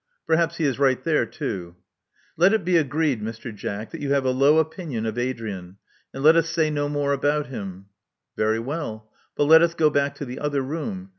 Perhaps he is right there, too." Let it be agreed, Mr. Jack, that you have a low opinion of Adrian ; and let us say no more about him." Very well. But let us go back to the other room.